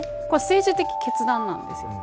これは政治的決断です。